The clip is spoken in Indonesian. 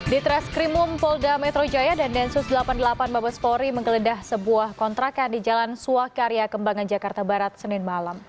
di traskrimum polda metro jaya dan densus delapan puluh delapan babespori menggeledah sebuah kontrakan di jalan suah ke area kembangan jakarta barat senin malam